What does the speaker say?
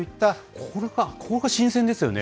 ここが新鮮ですよね。